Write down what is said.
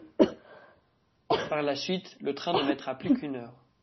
Par la suite, le train ne mettra plus qu’une heure.